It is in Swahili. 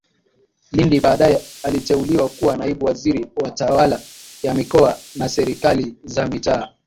LindiBaadaye aliteuliwa kuwa Naibu Waziri wa Tawala za Mikoa na Serikali za Mitaa